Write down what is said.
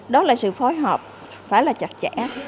đó là sự phối hợp phải là chặt chẽ